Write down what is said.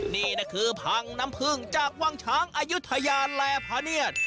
นี่นะคือพังน้ำพึ่งจากวังช้างอายุทยาแลพาเนียด